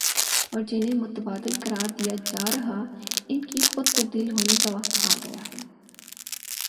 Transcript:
اور جنہیں متبادل قرار دیا جا رہا ان کے خود تبدیل ہونے کا وقت آ گیا ہے ۔